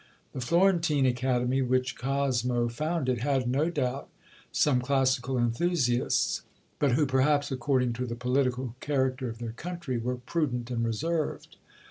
The Florentine Academy, which Cosmo founded, had, no doubt, some classical enthusiasts; but who, perhaps, according to the political character of their country, were prudent and reserved.